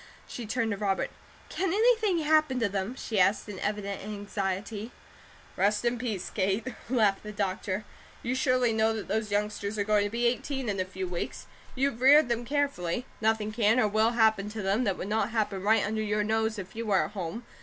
She turned to Robert. "Can anything happen to them?" she asked, in evident anxiety. "Rest in peace, Kate," laughed the doctor. "You surely know that those youngsters are going to be eighteen in a few weeks. You've reared them carefully. Nothing can, or will, happen to them, that would not happen right under your nose if you were at home.